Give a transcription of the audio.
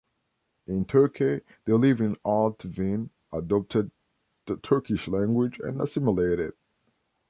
In Turkey they live in Artvin, adopted the Turkish language and assimilated.